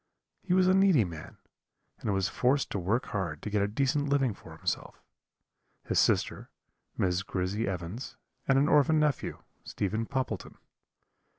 He was a needy man, and was forced to work hard to get a decent living for himself, his sister, Miss Grizzy Evans, and an orphan nephew, Stephen Poppleton.